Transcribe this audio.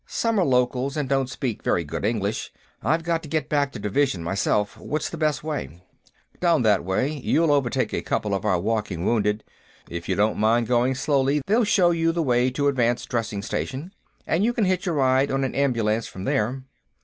Some are locals and don't speak very good English. I've got to get back to Division, myself; what's the best way?" "Down that way. You'll overtake a couple of our walking wounded. If you don't mind going slowly, they'll show you the way to advance dressing station, and you can hitch a ride on an ambulance from there."